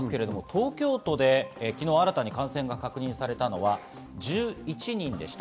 東京都で昨日、新たに感染が確認されたのは１１人でした。